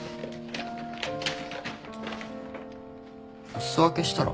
お裾分けしたら？